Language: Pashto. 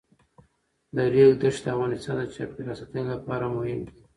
د ریګ دښتې د افغانستان د چاپیریال ساتنې لپاره مهم دي.